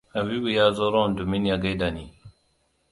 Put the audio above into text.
Habibu ya zo Rome domin ya gaida ni.